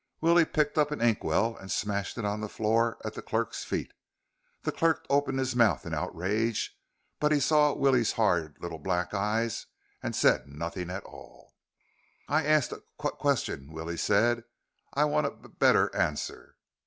Willie picked up an inkwell and smashed it on the floor at the clerk's feet. The clerk opened his mouth in outrage, but he saw Willie's hard little black eyes and said nothing at all. "I asked a q qu question," Willie said. "I want a b better answer."